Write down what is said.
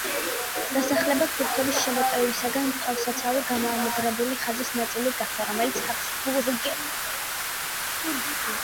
დასახლება თურქების შემოტევისაგან თავდასაცავი გამაგრებული ხაზის ნაწილი გახდა, რომელიც ჰაბსბურგებმა შექმნეს.